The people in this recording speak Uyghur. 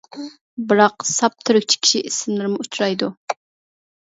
بىراق، ساپ تۈركچە كىشى ئىسىملىرىمۇ ئۇچرايدۇ.